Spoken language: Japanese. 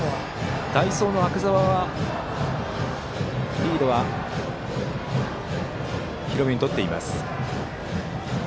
代走の阿久澤リードは広めに取っています。